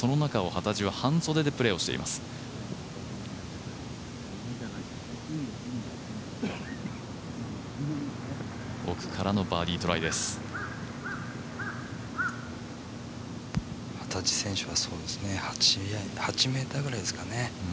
幡地選手は８ｍぐらいですかね。